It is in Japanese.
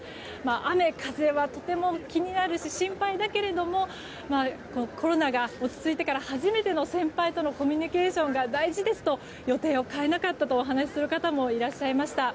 雨風はとても気になるし心配だけれどもコロナが落ち着いてから初めての先輩とのコミュニケーションが大事ですと予定を変えなかったとお話しする方もいらっしゃいました。